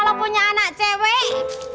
tampaknya udah kayak sikat ijo